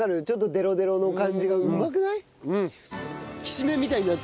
ちょっとデロデロの感じがうまくない？